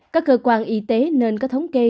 các cơ quan y tế nên có thống kê